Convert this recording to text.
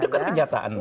itu kan kenyataan mbak